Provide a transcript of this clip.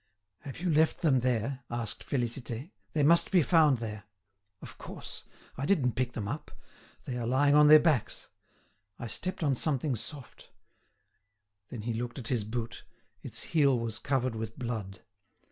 "Have you left them there?" asked Félicité; "they must be found there." "Of course! I didn't pick them up. They are lying on their backs. I stepped on something soft——" Then he looked at his boot; its heel was covered with blood.